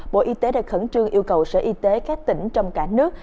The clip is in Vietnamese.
bộ y tế đã khẩn trương yêu cầu sở y tế các tỉnh trong cả nước